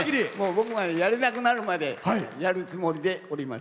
僕がやれなくなるまでやるつもりでおります。